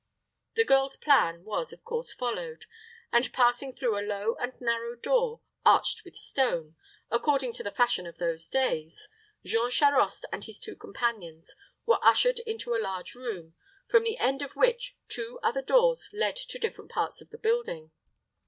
The girl's plan was, of course, followed; and, passing through a low and narrow door, arched with stone, according to the fashion of those days, Jean Charost and his two companions were ushered into a large room, from the end of which two other doors led to different parts of the building.